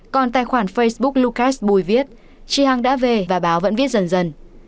còn tài khoản facebook lucas bui viết tri hằng đã về và báo vẫn viết dần dần